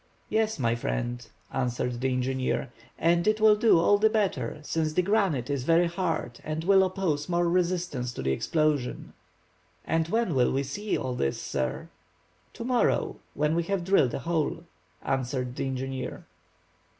"Yes, my friend," answered the engineer, "and it will do all the better since the granite is very hard and will oppose more resistance to the explosion." "And when will we see all this, sir?" "To morrow," when we have drilled a hole," answered the engineer.